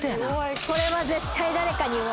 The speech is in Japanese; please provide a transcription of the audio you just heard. これは絶対誰かに言おう。